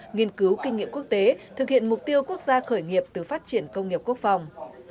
nghiên cứu kinh nghiệm quốc tế thực hiện mục tiêu quốc gia khởi nghiệp từ phát triển công nghiệp quốc phòng